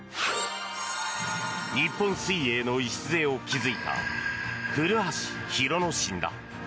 日本水泳の礎を築いた古橋廣之進だ。